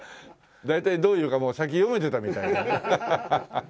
大体どう言うかもう先読めてたみたいだね。